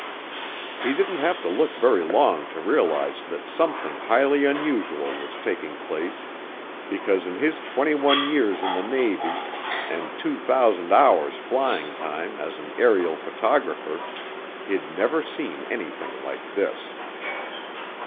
He didn't have to look very long to realize that something highly unusual was taking place because in his twenty one years in the Navy and 2,000 hours' flying time as an aerial photographer, he'd never seen anything like this.